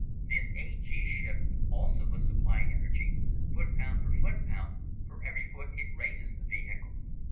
This A G ship also must supply energy, foot pound for foot pound, for every foot it raises the vehicle.